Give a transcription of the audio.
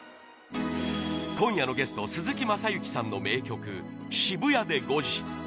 今夜のゲスト、鈴木雅之さんの名曲「渋谷で５時」